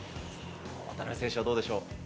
渡辺選手はどうでしょう。